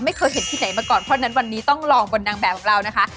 ไม่เคยเห็นที่ไหนมาก่อนเพราะฉะนั้นวันนี้ต้องลองบนนางแบบของเรานะคะ